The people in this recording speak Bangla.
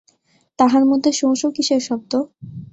তাহার মধ্যে সোঁ সোঁ কিসের শব্দ?